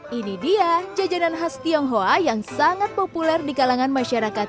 hai ini dia jajanan khas tionghoa yang sangat populer di kalangan masyarakat